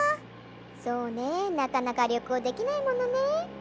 そうねなかなかりょこうできないものね。